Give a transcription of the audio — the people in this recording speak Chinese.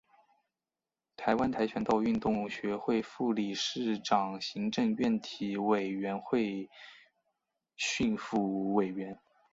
台湾跆拳道运动学会副理事长行政院体育委员会训辅委员